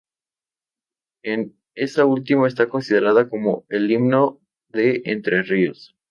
Esta última está considerada como el "Himno de Entre Ríos".